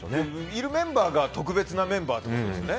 いるメンバーが特別なメンバーってことですよね。